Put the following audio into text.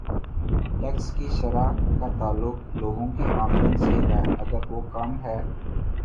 Tax کی شرح کا تعلق لوگوں کی آمدن سے ہے اگر وہ کم ہے۔